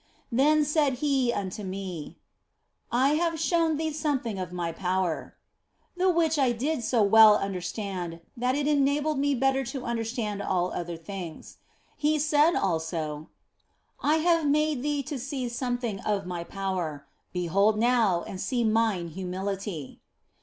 Then said He unto me, " I have shown thee something of My power," the which I did so well understand that it enabled me better to understand all other things. He said also, " I have made thee to see something of My power ; behold now and see Mine humility."